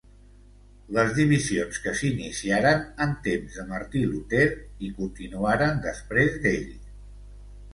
Les divisions que s'iniciaren en temps de Martí Luter i continuaren després d'ell.